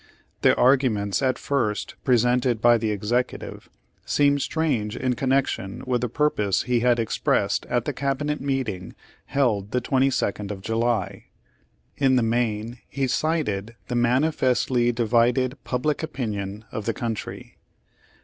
The arguments at first presented by the Executive, seem strange in con nection with the purpose he had expressed at the cabinet meeting held the 22nd of July. In the main he cited the manifestly divided public opinion of the country.